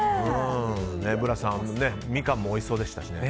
ブラスさん、ミカンもおいしそうでしたしね。